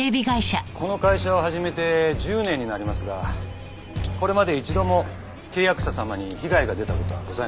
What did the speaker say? この会社を始めて１０年になりますがこれまで一度も契約者様に被害が出た事はございません。